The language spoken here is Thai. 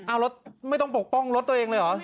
เอารถไม่ต้องปกป้องรถตัวเองเลยเหรอ